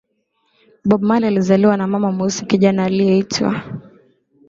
Bob Marley alizaliwa na mama mweusi kijana aliyeitwa